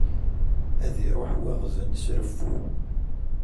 Ad iruḥ waɣzen s reffu.